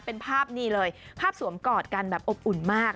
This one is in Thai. เป็นภาพนี่เลยภาพสวมกอดกันแบบอบอุ่นมาก